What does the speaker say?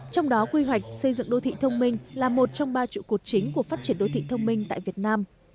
trong đó quy hoạch xây dựng đô thị thông minh là một trong ba trụ cột chính của phát triển đô thị thông minh tại việt nam